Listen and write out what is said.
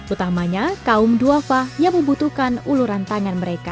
utamanya kaum duafa yang membutuhkan uluran tangan mereka